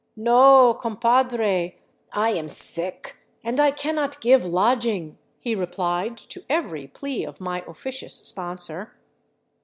\" No, compadre ; I am sick, and I cannot give lodging," he replied to every plea of my officious sponsor.